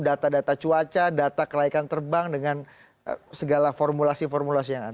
data data cuaca data kelaikan terbang dengan segala formulasi formulasi yang ada